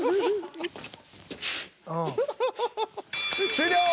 終了。